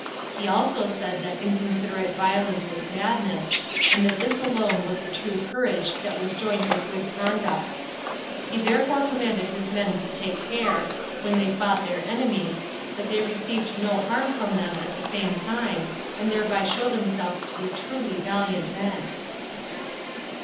He also said that inconsiderate violence was madness, and that this alone was the true courage that was joined with good conduct. He therefore commanded his men to take care, when they fought their enemies, that they received no harm from them at the same time, and thereby show themselves to be truly valiant men.